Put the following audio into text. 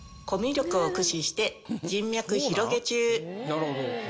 なるほど。